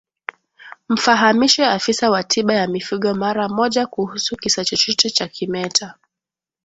Mfahamishe afisa wa tiba ya mifugo mara moja kuhusu kisa chochote cha kimeta